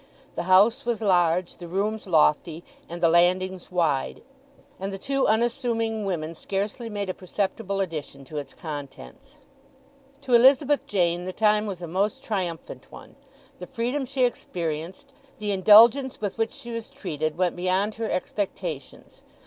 The house was large, the rooms lofty, and the landings wide; and the two unassuming women scarcely made a perceptible addition to its contents. To Elizabeth Jane the time was a most triumphant one. The freedom she experienced, the indulgence with which she was treated, went beyond her expectations.